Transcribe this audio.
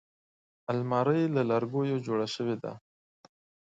الماري له لرګیو جوړه شوې ده